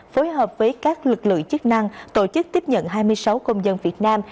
phối hợp với các lực lượng chức năng tổ chức tiếp nhận hai mươi sáu công dân việt nam